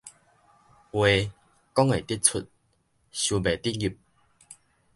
話講會得出，收袂得入